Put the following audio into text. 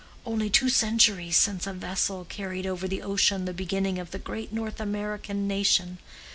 —only two centuries since a vessel carried over the ocean the beginning of the great North American nation.